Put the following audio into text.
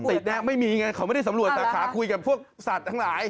ติดเนี่ยไม่มีไงเขาไม่ได้สำรวจสาขาคุยกับพวกสัตว์ทั้งหลาย